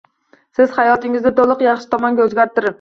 Siz hayotingizni to’liq yaxshi tomonga o’zgartirib